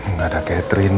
nggak ada catherine